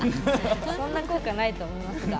そんな効果はないと思いますが。